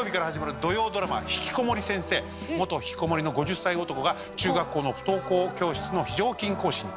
元ひきこもりの５０歳男が中学校の不登校教室の非常勤講師に。